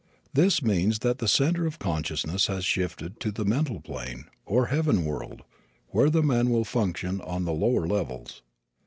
This means that the center of consciousness has shifted to the mental plane, or heaven world, where the man will function on the lower levels.